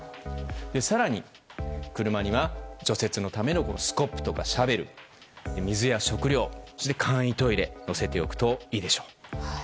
更に、車には除雪のためのスコップとかシャベル水や食料そして簡易トイレを載せておくといいでしょう。